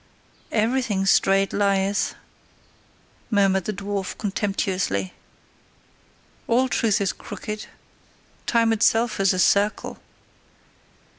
"Everything straight lieth," murmured the dwarf, contemptuously. "All truth is crooked; time itself is a circle."